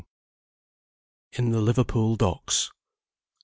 IN THE LIVERPOOL DOCKS.